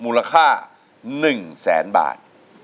มูลค่า๑แสนบาท